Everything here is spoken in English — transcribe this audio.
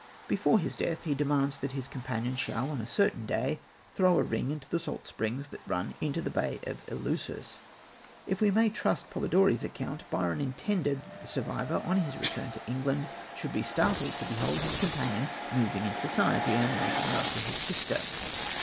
Before his death he demands that his companion shall on a certain day throw a ring into the salt springs that run into the bay of Eleusis. If we may trust Polidori's account, Byron intended that the survivor, on his return to England, should be startled to behold his companion moving in society, and making love to his sister.